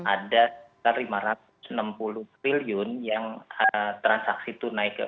ada sekitar rp lima ratus enam puluh triliun yang transaksi tersebut